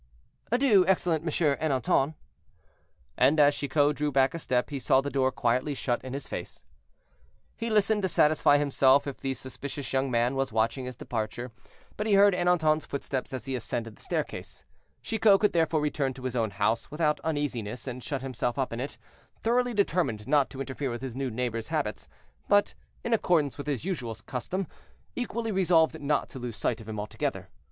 "Adieu, excellent Monsieur Ernanton." And as Chicot drew back a step, he saw the door quietly shut in his face. He listened to satisfy himself if the suspicious young man was watching his departure, but he heard Ernanton's footsteps as he ascended the staircase; Chicot could therefore return to his own house without uneasiness, and shut himself up in it, thoroughly determined not to interfere with his new neighbor's habits, but, in accordance with his usual custom, equally resolved not to lose sight of him altogether.